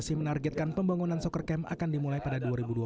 psi menargetkan pembangunan soccer camp akan dimulai pada dua ribu dua puluh